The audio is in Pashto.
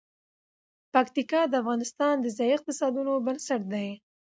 پکتیکا د افغانستان د ځایي اقتصادونو بنسټ دی.